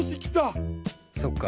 そっか。